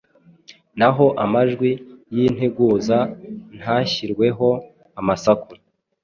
naho amajwi y’integuza ntashyirweho amasaku.